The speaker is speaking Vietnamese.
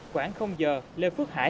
quảng giờ lê phước hải